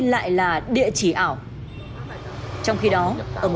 mấy cái táo tàu đỏ này